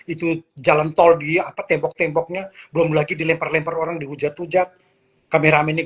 itu jalan tol di tembok temboknya belum lagi dilempar lempar orang dihujat hujat kameramen ini